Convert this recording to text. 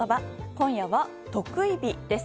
今夜は特異日です。